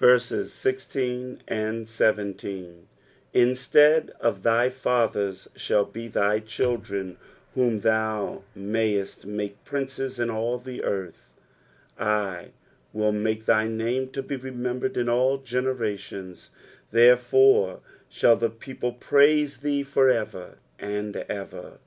i6 Instead of thy fathers shall be thy children, whom thou mayest make princes in all the earth, 17 I will make thy name to be remembered in all generations ; therefore shall the people praise thee for ever aad ever.